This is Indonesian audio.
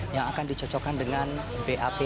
yang akan dicocokkan dengan bap